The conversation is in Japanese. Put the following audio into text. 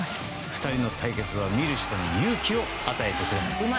２人の対決は見る人に勇気を与えてくれます。